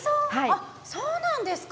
あっそうなんですか？